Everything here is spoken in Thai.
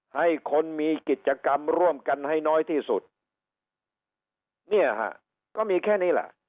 ให้คนมีกิจกรรมร่วมกันให้น้อยที่สุดเนี่ยฮะก็มีแค่นี้แหละ